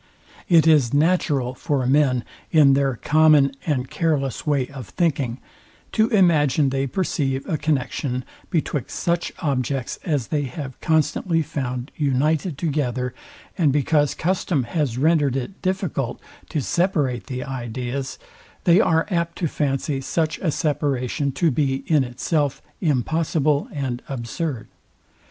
It is natural for men, in their common and care, less way of thinking, to imagine they perceive a connexion betwixt such objects as they have constantly found united together; and because custom has rendered it difficult to separate the ideas, they are apt to fancy such a separation to be in itself impossible and absurd.